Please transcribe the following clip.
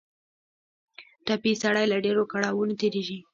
ټپي سړی له ډېرو کړاوونو تېرېږي.